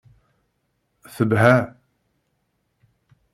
Tebha.